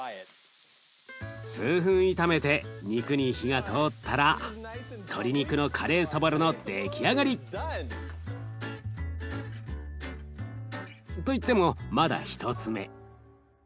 数分炒めて肉に火が通ったら鶏肉のカレーそぼろの出来上がり！といってもまだ１つ目。